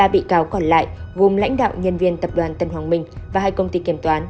ba bị cáo còn lại gồm lãnh đạo nhân viên tập đoàn tân hoàng minh và hai công ty kiểm toán